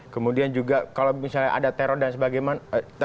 kemudian juga kalau misalnya ada teror dan sebagainya